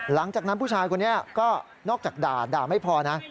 หลังจากนั้นผู้ชายคนนี้ก็นอกจากด่าด่าไม่พอนะ